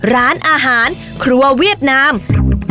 ร้านอาหารครัวเวียดนาม